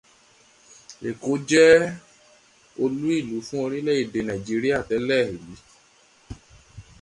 Èkó jẹ́ olú ìlú fún orílẹ̀-èdè Nàìjíríà tẹ́lẹ̀ rí.